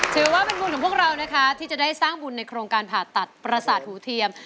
ถือว่าเป็นบุญของพวกเรานะคะที่จะได้สร้างบุญในโครงการผ่าตัดประสาทหูเทียม